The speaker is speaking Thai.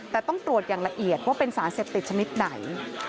แต่ต้องตรวจอย่างละเอียดว่าเป็นสารเสพติดชนิดไหน